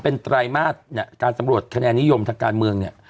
เป็นไตรมาสเนี่ยการสำรวจคะแนนนิยมทางการเมืองเนี่ย